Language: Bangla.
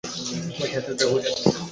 হোয়াইট হাউসে যাও!